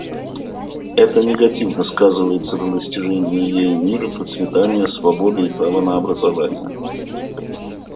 Это негативно сказывается на достижении ею мира, процветания, свободы и права на образование.